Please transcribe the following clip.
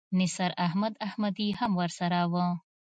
نثار احمد احمدي هم ورسره و.